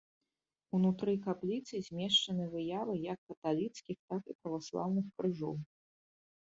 Унутры капліцы змешчаны выявы як каталіцкіх, так і праваслаўных крыжоў.